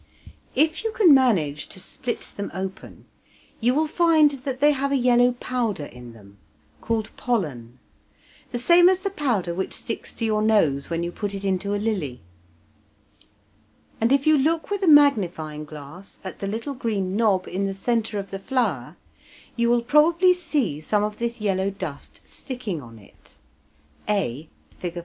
If you can manage to split them open you will find that they have a yellow powder in them, called pollen, the same as the powder which sticks to your nose when you put it into a lily; and if you look with a magnifying glass at the little green knob in the centre of the flower, you will probably see some of this yellow dust sticking on it (A, Fig.